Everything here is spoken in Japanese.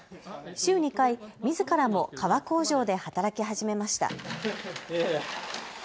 週２回みずからも革工場で働き始めました。